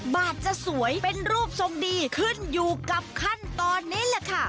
บาทจะสวยเป็นรูปทรงดีขึ้นอยู่กับขั้นตอนนี้แหละค่ะ